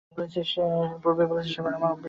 পূর্বেই বলেছি, সেবায় আমার অভ্যেস নেই।